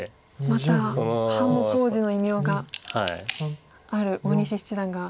また半目王子の異名がある大西七段が。